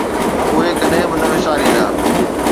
اهي ڪڏهن به نه وساريندا.